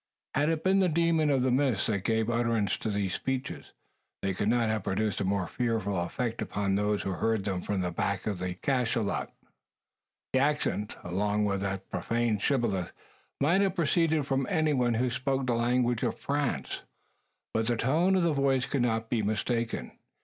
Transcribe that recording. Had it been the demon of the mist that gave utterance to these speeches, they could not have produced a more fearful effect upon those who heard them from the back of the cachalot. The accent, along with that profane shibboleth, might have proceeded from anyone who spoke the language of France; but the tone of the voice could not be mistaken.